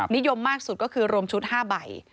นิยมมากสุดก็คือรวมชุด๕ใบ